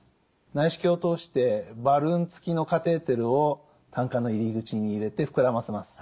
内視鏡を通してバルーンつきのカテーテルを胆管の入り口に入れて膨らませます。